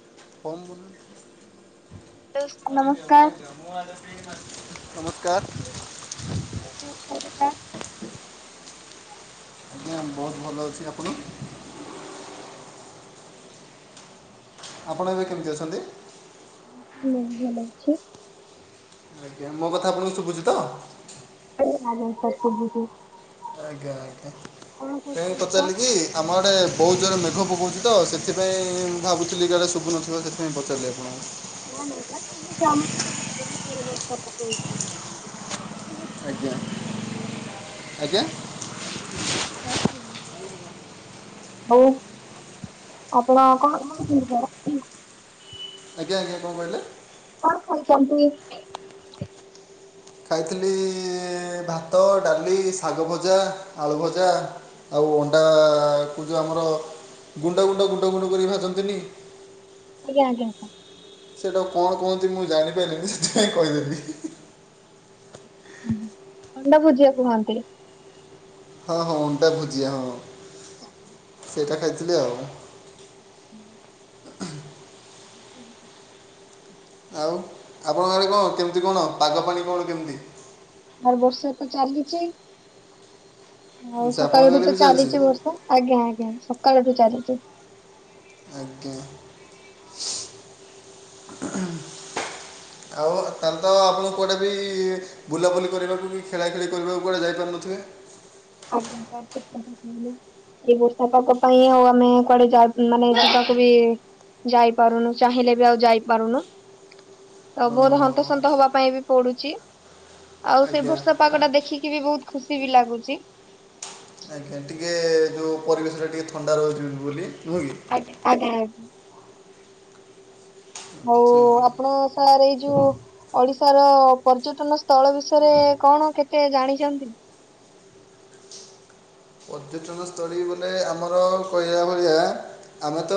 [unintelligible] ମୁଁ [unintelligible] hello sir ନମସ୍କାର ନମସ୍କାର। [unintelligible] ଆଜ୍ଞା, ବହୁତ ଭଲ ଅଛି, ଆପଣ? ଆପଣ ଏବେ କେମିତି ଅଛନ୍ତି? ମୁଁ ଭଲ ଅଛି। ଆଜ୍ଞା ମୋ କଥା ଆପଣଙ୍କୁ ଶୁଭୁଛି ତ? [unintelligible] ଆଜ୍ଞା ଆଜ୍ଞା କଣ ଫେନ୍ କରୁଛନ୍ତି ପଚାରିଲି ସାର୍? କି ଆମ ଆଡେ ବହୁତ ଜୋରରେ ମେଘ ପକାଉଛି ତୋ, ସେଥିପାଇଁ ଭାବୁଥିଲି କାଳେ ଶୁଭୁନଥିବ, ସେଥିପାଇଁ ପଚାରିଲି ଆପଣଙ୍କୁ ନା ନା ସାର୍, ତ ଆମ ପଟେ ତ ବହୁତ ଜୋରରେ ବର୍ଷା ପକାଉଚି। ଆଜ୍ଞା ଆଜ୍ଞା। [unintelligible] ଯାଉଛି। ହଉ ଆପଣ କଣ [unintelligible] ଆଜ୍ଞ ଆଜ୍ଞା କଣ କହିଲେ? କଣ ଖାଇଚନ୍ତି? ଖାଇଥିଲି ଭାତ ଡାଲି ଶାଗ ଭଜା ଆଳୁ ଭଜା। ଆଉ ଅଣ୍ଡାକୁ ଯୋଉ ଆମର ଗୁଣ୍ଡ ଗୁଣ୍ଡ ଗୁଣ୍ଡ ଗୁଣ୍ଡ କରି ଭାଜନ୍ତିନି? ଆଜ୍ଞା। ସେଇଟାକୁ କଣ କହନ୍ତି ମୁଁ ଜାଣି ପାରିଲିନି, ସେଥିପାଇଁ କହିଦେଲି? ଅଣ୍ଡା ଭୋଜିଆ କୁହନ୍ତି। ହଁ ହଁ ଅଣ୍ଡା ଭୁଜିଆ ହଁ। [inaudible] ସେଇଟା ଖାଇଥିଲି, ଆଉ [inaudible] [inaudible] ଆଉ ଆପଣଙ୍କ ଆଦେ କଣ କେମିତି କଣ, ପାଗ ପାଣି କଣ କେମିତି? ଆଉ ବର୍ଷା ତ ଚାଲିଚି ଆଉ ସେ ଆପଣଙ୍କ ସକାଳଠୁ ଆଡ଼େ ତ ବି ଚାଲିଛି ବର୍ଷା। ଆଜ୍ଞା ଆଜ୍ଞା ସକାଳଠୁ ଚାଲିଚି। ଆଜ୍ଞା। [inaudible] ଆଉ ତାହେଲେ ତୋ ଆପଣ କୁଆଡେ ବି ବୁଲାବୁଲି କରିବାକୁ କି, ଖେଳା ଖେଳି କରିବାକୁ କୁଆଡ଼େ ଯାଇପାରୁନଥିବେ? ଆଜ୍ଞା ସାର୍। ଏଇ ବର୍ଷା ପାଗ ପାଇଁ ଆଉ ଆମେ କୁଆଡେ ଯାଉ ମାନେ ଯିବାକୁ ବି ଯାଇପାରୁନୁ, ଚାହିଁଲେ ବି ଆଉ ଯାଇପାରୁନୁ। ତୋ ହଁ, ବହୁତ ହନ୍ତସନ୍ତ ହବା ପାଇଁ ବି ପଡୁଚି। ଆଉ ସେ ଆଜ୍ଞା ବର୍ଷା ପାଗ ଟା ଦେଖିକି ବି ବହୁତ ଖୁସି ବି ଲାଗୁଚି। ଆଜ୍ଞା ଟିକେ ଯୋଉ ପରିବେଶଟା ଟିକେ ଥଣ୍ଡା ରହୁଛି ବୋଲି ନୁହଁ କି? ଆଙ୍ଗ ଆଜ୍ଞା। ହଉ ଆଚ୍ଛା ଆପଣ ସାର୍ ଏଇ ଯୋଉ ଓଡିଶାର ପର୍ଯ୍ୟଟନ ସ୍ଥଳ ବିଷୟରେ କଣ କେତେ ଜାଣିଛନ୍ତି? ପର୍ଯ୍ୟଟନସ୍ଥଳୀ ବୋଲେ ଆମର କହିବା ଭଳିଆ ଆମେ ତ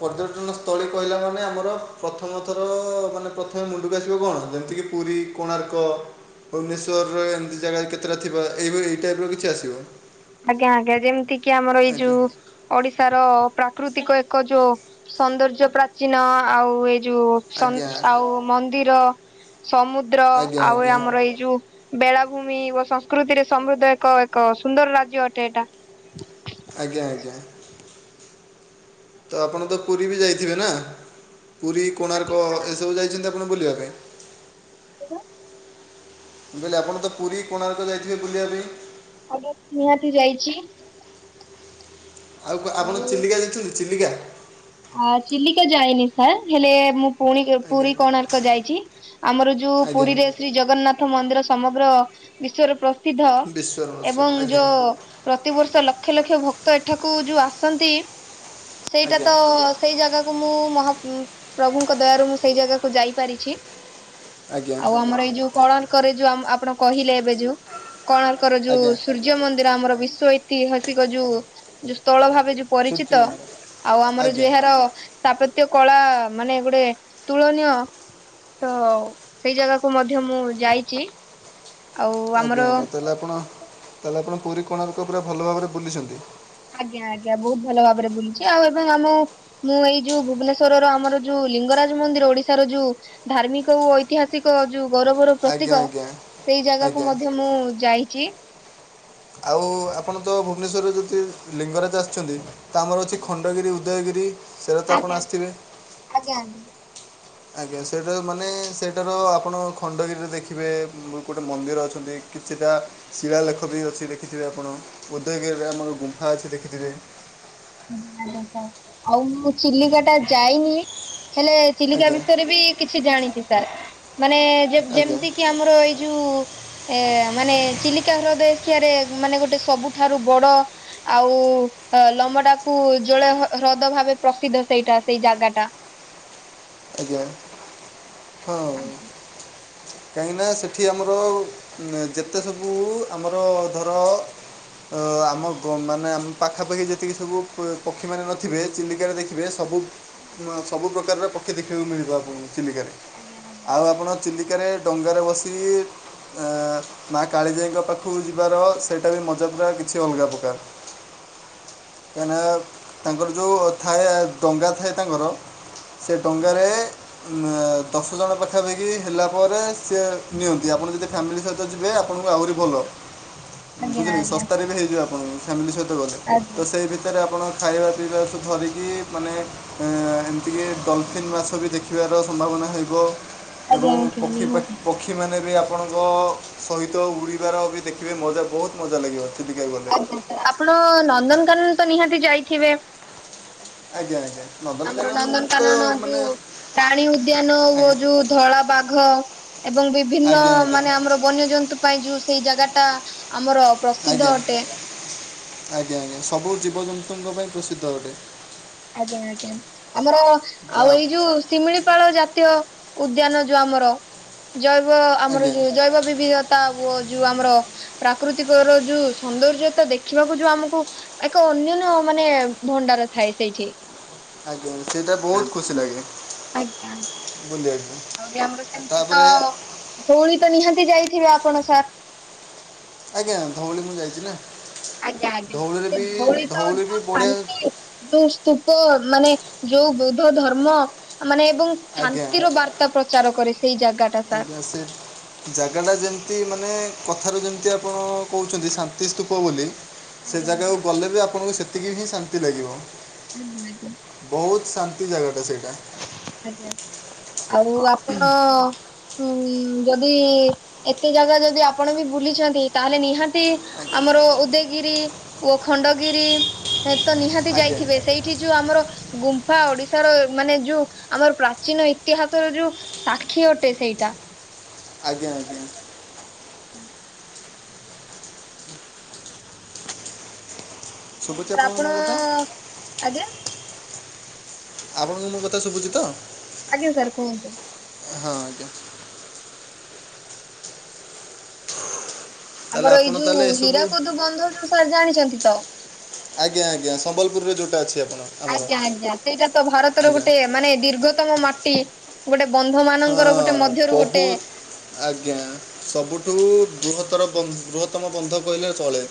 ପର୍ଯ୍ୟଟନ ସ୍ଥଳୀ କହିଲା ମାନେ ଆମର ପ୍ରଥମଥର ମାନେ ପ୍ରଥମେ ମୁଣ୍ଡକୁ ଆସିବ କଣ ଯେମିତି କିି ପୁରୀ କୋଣାର୍କ ଭୁବନେଶ୍ୱରରେ ଏମିତି ଜାଗା କେତେଟା ଥିବା ଏଇଭଳି ଏଇ ଟାଇପ୍ ର କିଛି ଆସିବ। ଆଜ୍ଞା ଆଜ୍ଞା। ଯେମିତି କିି ଆମର ଏଇ ଆଜ୍ଞା ଯୋଉ ଓଡିଶାର ପ୍ରାକୃତିକ ଏକ ଯୋ ସୌନ୍ଦର୍ଯ୍ୟ ପ୍ରାଚୀନ ଆଉ ଏ ଯୋଉ ସମ୍ ଆଜ୍ଞା ଆଉ ମନ୍ଦିର, ସମୁଦ୍ର ଆଜ୍ଞା ଆଉ ଏ ଆଜ୍ଞା ଆମର ଏଇ ଯୋଉ ବେଳାଭୂମି ଓ ସଂସ୍କୃତିରେ ସମୃଦ୍ଧ ଏକ ଏକ ସୁନ୍ଦର ରାଜ୍ୟ ଅଟେ ଏଇଟା। ଆଜ୍ଞା ଆଜ୍ଞା। ତ ଆପଣ ତ ପୁରୀ ବି ଯାଇଥିବେ ନା। ପୁରୀ କୋଣାର୍କ ଏସବୁ ଯାଇଛନ୍ତି ଆପଣ ବୁଲିବା ପାଇଁ? [unintelligible] ମୁଁ କହିଲି ଆପଣ ତ ପୁରୀ କୋଣାର୍କ ଯାଇଥିବେ ବୁଲିବା ପାଇଁ? ଆଜ୍ଞା ନିହାତି ଯାଇଚି। ଆଉ ଆପଣ ଚିଲିକା ଯାଇଚନ୍ତି ଚିଲିକା? ଆ ଚିଲିକା ଯାଇନି ସାର୍। ହେଲେ ମୁଁ ପୁଣି ଆଜ୍ଞା ପୁରୀ କୋଣାର୍କ ଯାଇଚି। ଆମର ଯୋଉ ଆଜ୍ଞା ପୁରୀରେ ଶ୍ରୀ ଜଗନ୍ନାଥ ମନ୍ଦିର ସମଗ୍ର ବିଶ୍ଵରେ ପ୍ରସିଦ୍ଧ। ବିଶ୍ୱର ଏବଂ ମସଜିଦ୍ ଆଜ୍ଞା ଯୋ ପ୍ରତିବର୍ଷ ଲକ୍ଷ ଲକ୍ଷ ଭକ୍ତ ଏଠାକୁ ଯୋଉ ଆସନ୍ତି, ସେଇଟା ଆଜ୍ଞା ତ ସେଇ ଜାଗାକୁ ମୁଁ ମହା ପ୍ରଭୁଙ୍କ ଦୟାରୁ ମୁଁ ସେଇ ଜାଗାକୁ ଯାଇପାରିଛି। ଆଜ୍ଞା ଆଉ ଆମର ଏଇ ଯୋଉ କୋଣାର୍କରେ ଯୋଉ ଆପଣ କହିଲେ ଏବେ ଯୋଉ କୋଣାର୍କର ଯୋଉ ଆଜ୍ଞା ସୂର୍ ସୂର୍ଯ୍ୟ ମନ୍ଦିର ଆମର ବିଶ୍ଵ ଐତିହାସିକ ଯୋଉ ଯୋଉ ସ୍ଥଳ ଭାବେ ଯୋଉ ପରିଚିତ ସୂର୍ଯ୍ୟ ମନ୍ଦିର। ଆଉ ଆମର ଯୋଉ ଆଜ୍ଞା ଏହାର ସ୍ଥାପତ୍ୟ କଳା ମାନେ ଗୋଟେ ତୁଳନୀୟ ତ ସେଇ ଜାଗାକୁ ମଧ୍ୟ ମୁଁ ଯାଇଚି। ଆଜ୍ଞା ଆଜ୍ଞା। ତାହେଲେ ଆପଣ ତାହେଲେ ଆପଣ ପୁରୀ କୋଣାର୍କ ପୁରା ଭଲ ଭାବରେ ବୁଲିଛନ୍ତି? ଆଜ୍ଞା ଆଜ୍ଞା ବହୁତ୍ ଭଲ ଭାବରେ ବୁଲିଚି। ଆଉ ଏବେ ଆମେ ମୁଁ ଏଇ ଯୋଉ ଭୁବନେଶ୍ୱରର ଆମର ଯୋଉ ଲିଙ୍ଗରାଜ ମନ୍ଦିର ଓଡିଶାର ଯୋଉ ଧାର୍ମିକ ଓ ଐତିହାସିକ ଯୋଉ ଗୌରବର ଆଜ୍ଞା ପ୍ରତୀକ, ଆଜ୍ଞା ସେଇ ଜାଗାକୁ ଆଜ୍ଞା ମଧ୍ୟ ମୁଁ ଯାଇଚି। ଆଉ ଆପଣ ତ ଭୁବନେଶ୍ୱରରେ ଯଦି ଲିଙ୍ଗରାଜ ଆସିଛନ୍ତି ତ ଆମର ଅଛି ଖଣ୍ଡଗିରି ଉ ଉଦୟଗିରି ସେରା ତ ଆଜ୍ଞା ଆପଣ ଆସିଥିବେ? ଆଜ୍ଞା। ଆଜ୍ଞା। ସେଇଟା ମାନେ ସେଇଟାର ଆପଣ ଖଣ୍ଡଗିରିରେ ଦେଖିବେ ଗୋଟେ ମନ୍ଦିର ଅଛନ୍ତି। କିଛିଟା ଶିଳାଲେଖ ବି ଅଛି ଦେଖିଥିବେ ଆପଣ। ଉଦୟଗିରିରେ ଆମର ଗୁମ୍ଫା ଅଛି ଦେଖିଥିବେ। [unintelligible] ଆଉ ମୁଁ ଚିଲିକା ଟା ଯାଇନି ହେଲେ ଚିଲିକା ଆଜ୍ଞା ବିଷୟରେ ବି କିଛି ଜାଣିଚି ସାର୍। ମାନେ ଆଜ୍ଞା ଯେମତି କି ଆମର ଏଇ ଯୋଉ ଏ ମାନେ ଚିଲିକା ହ୍ରଦ ଏସିଆରେ ମାନେ ଗୋଟେ ସବୁଠାରୁ ବଡ ଆଉ ଲମଟାକୁ ଉଜ୍ଜଳ ହ୍ରଦ ଭାବେ ପ୍ରସିଦ୍ଧ ସେଇଟା ସେଇ ଜାଗା ଟା। ଆଜ୍ଞା ହଁ। ଆଜ୍ଞା ସୁଁ କାହିଁକିନା ସେଠି ଆମର ଯେତେ ସବୁ ଆମର ଧର ଅ ଆମ ଗ ମାନେ ଆମ ପାଖାପାଖି ଯେତିକି ସବୁ ପକ୍ଷୀ ମାନେ ନଥିବେ ଚିଲିକାରେ ଦେଖି ଦେଖିବେ ସବୁ ସବୁ ପ୍ରକାରର ପକ୍ଷୀ ଦେଖିବାକୁ ମିଳିବ ଆପଣ କୁ ଚିଲିକାରେ। ଆଉ ଆପଣ ଚିଲିକାରେ ଡଙ୍ଗାରେ ବସି ଅ ମା କାଳିଜାଇଙ୍କ ପାଖକୁ ଯିବାର ସେଇଟା ବି ମଜା ପୁରା କିଛି ଅଲଗା ପ୍ରକାର। କାହିଁକିନା ତାଙ୍କର ଯୋଉ ଥାଏ ଡଙ୍ଗା ଥାଏ ତାଙ୍କର ସେ ଡଙ୍ଗାରେ ଦଶ ଜଣ ପାଖାପାଖି ହେଲା ପରେ ସିଏ ନିଅନ୍ତି। ଆପଣ ଯଦି ଫ୍ୟାମିଲି ସହିତ ଯିବେ ଆପଣଙ୍କୁ ଆହୁରି ଭଲ। ଆଜ୍ଞା ବୁଝିଲେ କି। ଆଜ୍ଞା ଶସ୍ତାରେ ବି ହେଇଯିବ ଆପଣ ଫ୍ୟାମିଲି ସହିତ ଗଲେ। ତ ଆଜ୍ଞା ସେଇ ଭିତରେ ଆପଣ ଖାଇବା ପିଇବା ସବୁ ଧରିକି ମାନେ ଏମିତିକି ଡଲଫିନ୍ ମାଛ ବି ଦେଖିବାର ସମ୍ଭାବନା ହେବ। ଆଜ୍ଞା ଏବଂ ଆଜ୍ଞା ପକ୍ଷୀ। ନିହାତି। [unintelligible] ପକ୍ଷୀମାନେ ବି ଆପଣଙ୍କ ସହିତ ଉଡ଼ିବାର ବି ଦେଖିବେ ମଜା ବହୁତ ମଜା ଲାଗିବ। ଚିଲିକା ଗଲେ ଆଜ୍ଞା ସାର୍ ଆପଣ ନନ୍ଦନକାନନ ତ ନିହାତି ଯାଇଥିବେ? ଆଜ୍ଞା ଆଜ୍ଞା। ଆମର ନନ୍ଦନକାନନ ତ ନନ୍ଦନକାନନ ମାନେ ଯୋଉ ପ୍ରାଣୀ ଉଦ୍ୟାନ ଓ ଆଜ୍ଞା ଯୋଉ ଧଳା ବାଘ ଏବଂ ବିଭିନ୍ନ ଆଜ୍ଞା ଆଜ୍ଞା ମାନେ ଆମର ବନ୍ୟଜନ୍ତୁ ପାଇଁ ଯୋଉ ସେଇ ଜାଗା ଟା ଆମର ଆଜ୍ଞା ପ୍ରସିଦ୍ଧ ଅଟେ। ଆଜ୍ଞା ଆଜ୍ଞା ସବୁ ଜୀବ ଜନ୍ତୁଙ୍କ ପାଇଁ ପ୍ରସିଦ୍ଧ ଅଟେ। ଆଜ୍ଞା ଆଜ୍ଞା ଆମର ଆଉ ଯା- ଏଇ ଯୋଉ ଶିମିଳିପାଳ ଜାତୀୟ ଉଦ୍ୟାନ ଯୋଉ ଆମର ଜୈବ ଆମର ଆଜ୍ଞା ଯୋଉ ଜୈବ ବିବିଧତ ତା ୱ ଯୋଉ ଆମର ପ୍ରାକୃତିକର ଯୋଉ ସୌନ୍ଦର୍ଯ୍ୟତା ଦେଖିବାକୁ ଯୋଉ ଆମକୁ ଏକ ଅନ୍ୟନ୍ୟ ମାନେ ଭଣ୍ଡାର ଥାଏ ସେଇଠି। ଆଜ୍ଞା ସେଇଟା ବହୁତ୍ ଖୁସି ଲାଗେ। ଆଜ୍ଞା। ବୁଲିବାକୁ ଆହୁରି ଆମର ସେମିତି ତ ତାପରେ ଧଉଳି ତ ନିହାତି ଯାଇଥିବେ ଆପଣ ସାର୍? ଆଜ୍ଞା ଧଉଳି ମୁଁ ଯାଇଚି ନା। ଆଜ୍ଞା ଆଜ୍ଞା ଧଉଳିରେ ସେ ବି ଧଉଳି ତ ବି ଯୋଉ ବଢ଼ିଆ ଶାନ୍ତି। ଯଉ ସ୍ତୁପ ମାନେ ଯୋଉ ବୌଦ୍ଧ ଧର୍ମ ମାନେ ଏବଂ ଆଜ୍ଞା ଶାନ୍ତିର ବା ର୍ତ୍ତା ପ୍ରଚାର କରେ ସେଇ ଜାଗା ଆଜ୍ଞା ସେ ଜାଗା ଟା ଯେମିତି ମାନେ କଥାରୁ ଯେମିତି ଆପଣ କହୁଛନ୍ତି ଶାନ୍ତି ସ୍ତୂପ ବୋଲି ସେ ଆଜ୍ଞା ଆଜ୍ଞା ଜାଗାକୁ ଗଲେ ବି ଆପଣଙ୍କୁ ସେତିକି ହିଁ ଶାନ୍ତି ଲାଗିବ। ଆଜ୍ଞା ଆଜ୍ଞା। ବହୁତ୍ ଶାନ୍ତି ଜାଗା ଟା ସେଇଟା। ଆଜ୍ଞା ଆଉ ଆପଣ ହୁଁ ଉଁ ଯଦି ଏତେ ଜାଗା ଯଦି ଆପଣ ବି ବୁଲିଛନ୍ତି ତାହେଲେ ନିହାତି ଆଜ୍ଞା ଆମର ଉଦୟଗିରି ଓ ଖଣ୍ଡଗିରି ଏ ତ ନିହାତି ଆଜ୍ଞା ଯାଇଥିବେ ସେଇଠି ଯୋଉ ଆମର ଗୁମ୍ଫା ଓଡିଶାର ମାନେ ଯୋଉ ଆମର ପ୍ରାଚୀନ ଇତିହାସର ଯୋଉ ସାକ୍ଷୀ ଅଟେ ସେଇଟା। ଆଜ୍ଞା ଆଜ୍ଞା। ଶୁଭୁଛି ଆସ ଆପଣଙ୍କୁ ଆପଣ ମୋ କଥା ଆଜ୍ଞା? ଆପଣଙ୍କୁ ମୋ କଥା ଶୁଭୁଛି ତ? ଆଜ୍ଞା ସାର୍ କୁହନ୍ତୁ? ହଁ ଆଜ୍ଞା। ତାହେଲେ ଆମର ଏଇ ଆପଣ ତାହେଲେ ଯୋଉ ଏସବୁ ହୀରାକୁଦ୍ ବନ୍ଧ ଯୋଉ ସାର୍ ଜାଣିଛନ୍ତି ତ? ଆଜ୍ଞା ଆଜ୍ଞା ସମ୍ବଲ ପୁରୁରେ ଯୋଉଟା ଅଛି ଆପଣ ଆମର ଆଜ୍ଞା ଆଜ୍ଞା ସେଇଟା ତ ଭାରତର ଆଜ୍ଞା ଗୋଟେ ମାନେ ଦୀର୍ଘତମ ମାଟି। ଗୋଟେ ବନ୍ଧ ମାନଙ୍କର ଗୋଟେ ହଁ ମଧ୍ୟରୁ ଗୋଟେ ବହୁତ ଆଜ୍ଞା ସବୁଠୁ ବୃହତର ବ ବୃହତ୍ତମ ବନ୍ଧ କହିଲେ ଚଳେ।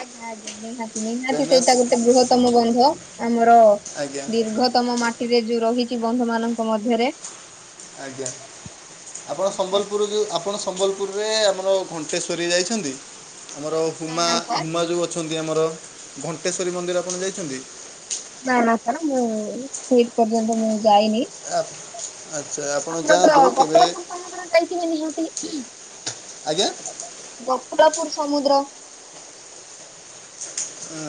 ଆଜ୍ଞା ଆଜ୍ଞା ନିହାତି ନିହାତି କାହିଁକିନା ସେଇଟା ଗୋଟେ ସ- ବୃହତ୍ତମ ବନ୍ଧ ଆମର ଆଜ୍ଞା ଦୀର୍ଘତମ ମାଟିରେ ଯୋଉ ରହିଛି ବନ୍ଧ ମାନଙ୍କ ମଧ୍ୟରେ ଆଜ୍ଞା। ଆପଣ ସମ୍ବଲପୁରୁ ଯୋଉ ଆପଣ ସମ୍ବଲପୁରୁରେ ଆମର ଘଣ୍ଟେଶ୍ଵରୀ ଯାଇଛନ୍ତି? ଆମର ନା ହୁମା ନା ସାର୍ ହୁମା ଯେଉ ଅଛନ୍ତି ଆମର ଘଣ୍ଟେଶ୍ଵରୀ ମନ୍ଦିର ଆପଣ ଯାଇଛନ୍ତି? ନା ନା ସାର୍ ମୁଁ ସେ ପର୍ଯ୍ୟନ୍ତ ମୁଁ ଯାଇନି। ଆ- ଆଚ୍ଛା ଆପଣ ତ ଯାଆନ୍ତୁ କେବେ [unintelligible] ଯାଇଥିବେ ନିହାତି? ଆଜ୍ଞା? ଗପଲପୁରୁ ସମୁଦ୍ର ଆ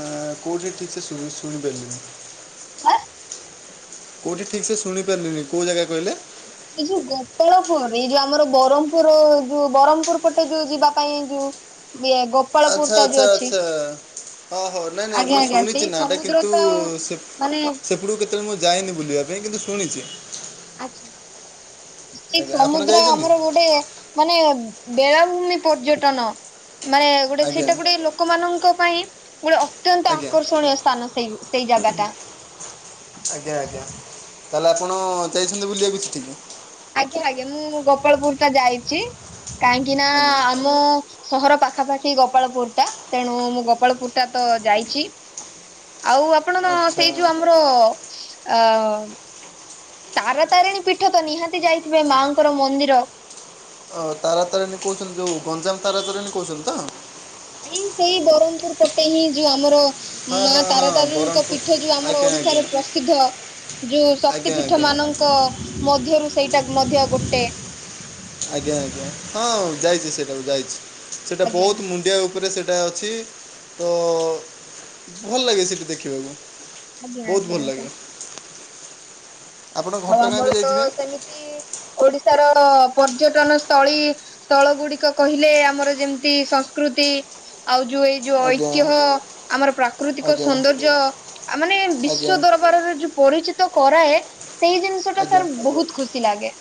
କୋଉଠି ଠିକ୍ ସେ ସୁ ସୁଣି ପାଇଲିନି? ସାର୍? କୋଉଠି ଠିକ୍ ସେ ଶୁଣି ପାରିଲିନି କୋଉ ଜାଗା କହିଲେ? ଏଇ ଯୋଉ ଗୋପାଳପୁର ଏଇ ଯୋଉ ଆମର ବ୍ରହ୍ମପୁରୁ ଯୋଉ ବ୍ରହ୍ମପୁରୁ ପଟେ ଯୋଉ ଯିବା ପାଇଁ ଯୋଉ ଇଏ ଗୋପାଳପୁର ଟା ଯୋଉ ଅଛି। ଓ ହୋ ନାଇଁ ନାଇଁ ଆଜ୍ଞା ମୁଁ ଆଜ୍ଞା ସେଇ ଶୁଣିଛି ନା ଏଟା ସମୁଦ୍ର କିନ୍ତୁ ତ ମାନେ ସେପଟକୁ [unintelligible] ସେତେବେଳେ ମୁଁ ଯାଇନି ବୁଲିବା ପାଇଁ କିନ୍ତୁ ଶୁଣିଛି ଆଛା ସେ ଆଜ୍ଞା ଆପଣ ସମୁଦ୍ର ଯାଇଛନ୍ତି ଆମର ଗୋଟେ ମାନେ ବେଳାଭୂମି ପର୍ଯ୍ୟଟନ ମାନେ ଗୋଟେ ଆଜ୍ଞା ସେଇଟା ଗୋଟେ ଲୋକ ଲୋକମାନଙ୍କ ପାଇଁ ଗୋଟେ ଅତ୍ୟନ୍ତ ଆଜ୍ଞା ଆକର୍ଷଣୀୟ ସ୍ଥାନ ସେଇ ସେଇ ଜାଗା ଟା ଆଜ୍ଞା ଆଜ୍ଞା ତାହେଲେ ଆପଣ ଯାଇଛନ୍ତି ବୁଲିବାକୁ ସେଦିନ? ଆଜ୍ଞା ଆଜ୍ଞା ମୁଁ ଗୋପାଳପୁର ଟା ଯାଇଛି କାହିଁକି ନା ଆଜ୍ଞା ଆମୁ ସହର ପାଖାପାଖି ଗୋପାଳପୁର ଟା ତେଣୁ ମୁଁ ଗୋପାଳପୁରଟା ତ ଯାଇଛି। ଆଉ ଆପଣ ଆଚ୍ଛା ସେଇ ଯୋଉ ଆମର ଅ ତାର ତାରିଣୀ ପୀଠ ତ ନିହାତି ଯାଇଥିବେ ମାଙ୍କର ମନ୍ଦିର। ତାରା ତାରିଣୀ କହୁଛନ୍ତି ଯୋଉ ଗଞ୍ଜାମ ତାରାତାରିଣୀ କହୁଛନ୍ତି ତ? ଇ ସେଇ ବ୍ରରହମ୍ପପୁର ପଟେ ହିଁ ଯୋଉ ଆମର ହଁ ମା ହଁ ତାର ହଁ ତାରିଣୀଙ୍କ ବରହମପୁର ପୀଠ ଯୋଉ ଆମର ଆଜ୍ଞା ଆଜ୍ଞା ଓଡିଶାରେ ପ୍ରସିଦ୍ଧ ଯୋଉ ଶକ୍ତି ଆଜ୍ଞା ପୀଠ ଆଜ୍ଞା ମାନଙ୍କ କ ମଧ୍ୟରୁ ସେଇଟା ମଧ୍ୟ ଗୋଟେ ଆଜ୍ଞା ଆଜ୍ଞା ହଁ ଯାଇଛି ସେଇଟାକୁ ଯାଇଛି ସେଇଟା ଆଜ୍ଞା। ବହୁତ ମୁଣ୍ଡିଆ ଆଜ୍ଞା ଉପରେ ସେଇଟା ଅଛି। ତ ଭଲ ଲାଗେ ସେଠି ଦେଖିବାକୁ। ଆଜ୍ଞା ବହୁତ ଆଜ୍ଞା ଭଲ ଆଜ୍ଞା ଲାଗେ ଆପଣ ଆଉ ଘଟଗାଁ ବି ଆମର ତ ଯାଇଥିବେ ସେମିତି ଓଡିଶାର ପର୍ଯ୍ୟଟନ ସ୍ଥଳୀ ସ୍ଥଳ ଗୁଡିକ କହିଲେ ଆମର ଯେମିତି ସଂସ୍କୃତି ଆଉ ଯୋଉ ଏଇ ଯୋଉ ଆଜ୍ଞା ଐତିହ ଆମର ପ୍ରାକୃତିକ ଆଜ୍ଞା ସୌନ୍ଦର୍ଯ୍ୟ ମାନେ ଆଜ୍ଞା ବିଶ୍ଵ ଦର ଯଉ ପରିଚିତ କରାଏ ସେଇ ଜିନିଷ ଟା ଆଜ୍ଞା ତାର ବହୁତ ଖୁସି ଲାଗେ।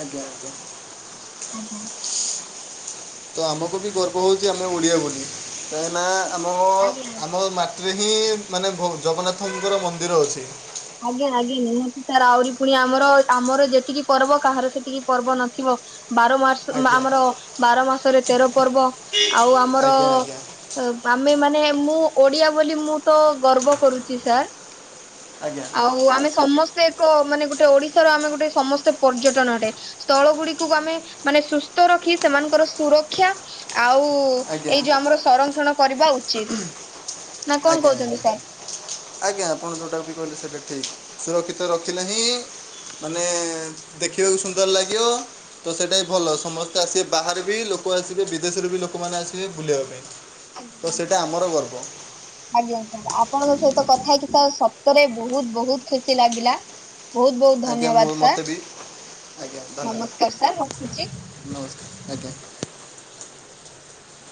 ଆଜ୍ଞା ଆଜ୍ଞା [unintelligible] ଆଜ୍ଞା। ତ ଆମକୁ ବି ଗର୍ବ ହଉଛି ଆମେ ଓଡ଼ିଆ ବୋଲି କାହିଁକିନା ଆମ ଆଜ୍ଞା ଆଜ୍ଞା। ଆମ ଥିରେ ହିଁ ମାନେ ଜଗନ୍ନାଥଙ୍କର ମନ୍ଦିର ଅଛି ଆଜ୍ଞା ଆଜ୍ଞା ନିହାତି ସାର୍ ଆହୁରି ପୁଣି ଆମର ଆମର ଯେତିକି ପର୍ବ କାହାର ସେତିକି ପର୍ବ ନଥିବ। ବାର ମାସ ଆଜ୍ଞା ଆମର ବାର ମାସରେ ତେର ପର୍ବ ଆଉ ଆମର ଆଜ୍ଞା ଆଜ୍ଞା ଆମେ ମାନେ ମୁଁ ଓଡିଆ ବୋଲି ମୁଁ ତ ଗର୍ବ କରୁଛି ସାର୍ ଆଜ୍ଞା। ହଉ ଆମେ ସମସ୍ତେ ଏକ ମାନେ ଗୋଟେ ଓଡିଶାର ଆମେ ଗୋଟେ ସମସ୍ତେ ପର୍ଯ୍ୟଟନ ଅଟେ ସ୍ଥଳ ଗୁଡିକକୁ ଆମେ ମାନେ ସୁସ୍ଥ ରଖି ସେମାନଙ୍କର ସୁରକ୍ଷା ଆଉ ଆଜ୍ଞା ଏଇ ଯୋଉ ଆମର ସଂରକ୍ଷଣ କରିବା ଉଚିତ ନା କଣ ଆଜ୍ଞା ଆଜ୍ଞା କହୁଛନ୍ତି ସାର୍ ଆଜ୍ଞା ଆପଣ ଯୋଉଟା ବି କହିଲେ ସେଇଟା ଠିକ ସୁରକ୍ଷିତ ରଖିଲେ ହିଁ ମାନେ ଦେଖିବାକୁ ସୁନ୍ଦର ଲାଗିବ ତ ସେଇଟା ହିଁ ଭଲ ସମସ୍ତେ ଆସିବେ ବାହାରେ ବି ଲୋକ ଆସିବେ ବିଦେଶରୁ ବି ଲୋକମାନେ ଆସିବେ ବୁଲିବା ପାଇଁ। ଆଜ୍ଞା ତ ହଁ ଆଜ୍ଞା ସେଇଟା ଆମର ଗର୍ବ [unintelligible] ଆଜ୍ଞା ସାର୍ ଆପଣଙ୍କ ସହିତ କଥା ହେଇକି ସାର୍ ସତରେ ବହୁତ ବହୁତ ଖୁସି ଲାଗିଲା। ବହୁତ ବହୁତ ଆଜ୍ଞା ମୁଁ ଧନ୍ୟବାଦ ମୋତେ ସାର୍ ବି ଆଜ୍ଞା ଧନ୍ୟବାଦ ନମସ୍କାର ସାର୍ ରଖୁଛି। ନମସ୍କାର ଆଜ୍ଞା।